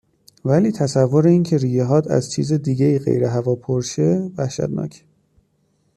ولی تصور اینکه ریههات از چیز دیگهای غیر هوا پر بشه وحشتناکه.